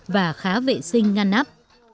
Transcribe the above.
và khá vệ sinh ngăn nắp